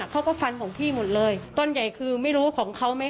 เขาก็ฟันของพี่หมดเลยต้นใหญ่คือไม่รู้ของเขาไหม